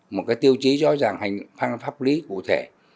một tiêu chí rõ ràng pháp lý cụ thể